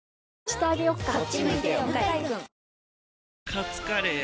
カツカレー？